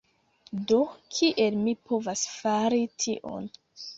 Do kiel mi povas fari tion?